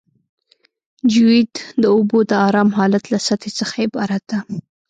جیوئید د اوبو د ارام حالت له سطحې څخه عبارت ده